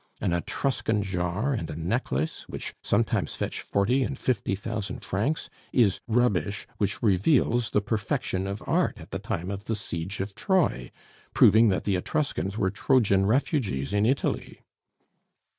An Etruscan jar, and a necklace, which sometimes fetch forty and fifty thousand francs, is 'rubbish' which reveals the perfection of art at the time of the siege of Troy, proving that the Etruscans were Trojan refugees in Italy."